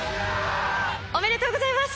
おめでとうございます。